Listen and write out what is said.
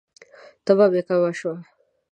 تبه می کمه شوه؟